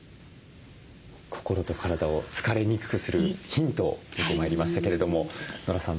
心と体を疲れにくくするヒントを見てまいりましたけれどもノラさん